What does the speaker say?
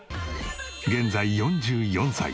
現在４４歳。